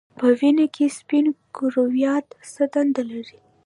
په وینه کې سپین کرویات څه دنده لري